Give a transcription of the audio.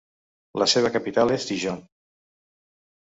La seva capital és Dijon.